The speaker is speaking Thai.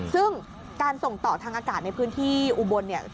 ซึ่งการส่งต่อทางอากาศในพื้นที่อุบลเนี่ย